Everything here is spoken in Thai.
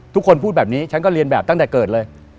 พูดแบบนี้ฉันก็เรียนแบบตั้งแต่เกิดเลย